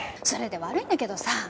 それで悪いんだけどさ。